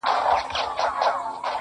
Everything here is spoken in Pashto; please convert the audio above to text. خوگراني زه نو دلته څه ووايم~